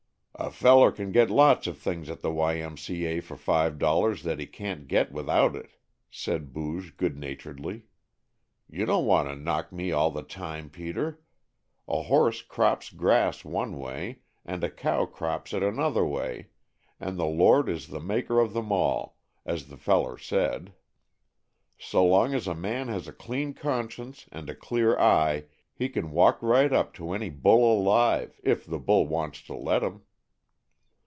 "A feller can get lots of things at the Y. M. C. A. for five dollars that he can't get without it," said Booge good naturedly. "You don't want to knock me all the time, Peter. A horse crops grass one way, and a cow crops it another way, and the Lord is the maker of them all, as the feller said. So long as a man has a clean conscience and a clear eye he can walk right up to any bull alive if the bull wants to let him."